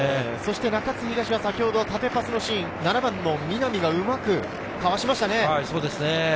中津東は先ほどの縦パスのシーン、南がうまくかわしましたね。